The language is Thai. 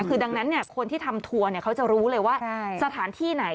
คือดังนั้นคนที่ทำทัวร์เขาจะรู้เลยว่าสถานที่ไหน